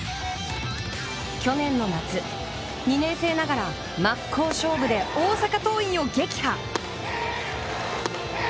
去年の夏、２年生ながら真っ向勝負で大阪桐蔭を撃破。